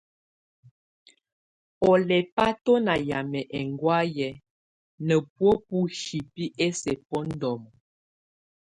Ɔ lɛba tɔna yamɛ ɛnŋgɔayɛ na bɔa bɔ hibi ɛsɛ bɔ ndɔmɔ.